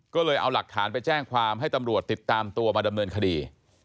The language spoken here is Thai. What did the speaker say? ก็เลยเอาหลักฐานไปแจ้งความให้ตำรวจติดตามตัวมาดำเนินคดี